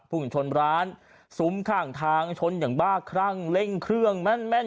ผู้กินชนร้านซุ้มข้างทางชนอย่างบ้าครั้งเล่งเครื่องแม่นอยู่ยังงั้นน่ะ